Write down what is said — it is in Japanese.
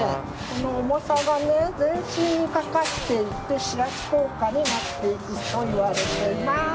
この重さが全身にかかっていって指圧効果になっていくといわれています。